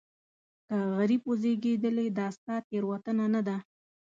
که غریب وزېږېدلې دا ستا تېروتنه نه ده.